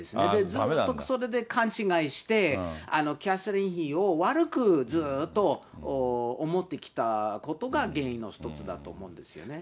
ずっとそれで勘違いして、キャサリン妃を悪くずっと思ってきたことが、原因の一つだと思うんですよね。